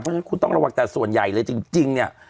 เพราะฉะนั้นคุณต้องระวังแต่ส่วนใหญ่เลยจริงเนี่ย